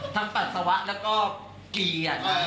ทั้งปัสสาวะแล้วก็กี